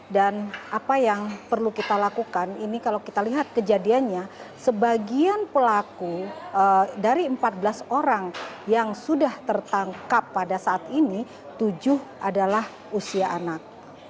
dan apa yang perlu kita lakukan ini kalau kita lihat kejadiannya sebagian pelaku dari empat belas orang yang sudah tertangkap pada saat ini tujuh adalah usia anak